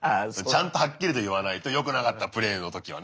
ちゃんとはっきりと言わないとよくなかったプレーのときはね。